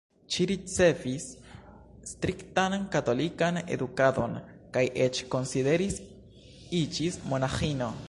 Ŝi ricevis striktan katolikan edukadon kaj eĉ konsideris iĝis monaĥino.